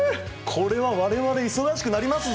これは我々忙しくなりますぞ！